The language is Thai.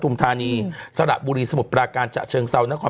ปธุมธานีปธุมธานีสระบุรีสมุดปาการจัดเชิงเซานคร